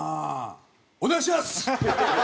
お願いします！